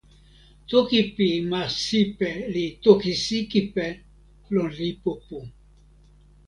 toki pi ma Sipe li "toki Sikipe" lon lipu pu.